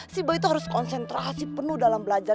si boy tuh harus konsentrasi penuh dalam belajar